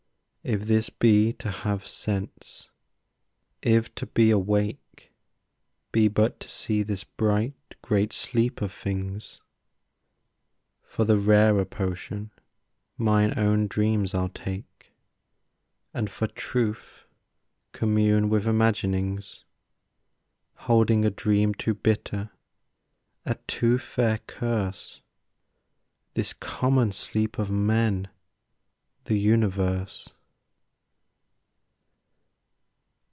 If this be to have sense, if to be awake Be but to see this bright, great sleep of things, For the rarer potion mine own dreams I'll take And for truth commune with imaginings, Holding a dream too bitter, a too fair curse, This common sleep of men, the universe.